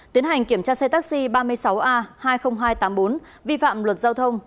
tiến hành kiểm tra xe taxi ba mươi sáu a hai mươi nghìn hai trăm tám mươi bốn vi phạm luật giao thông